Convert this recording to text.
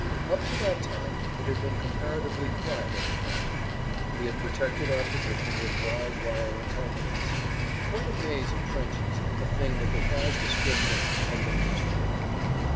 [Pg 137]Up to that time it had been comparatively quiet at the front. We had protected our position with wide wire entanglements. Quite a maze of trenches, a thing that defies description, had been constructed.